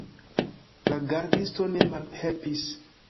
La gardisto ne malhelpis.